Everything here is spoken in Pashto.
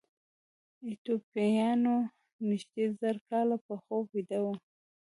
ایتوپیایان نږدې زر کاله په خوب ویده وو.